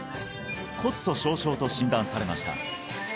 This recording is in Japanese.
骨粗しょう症と診断されました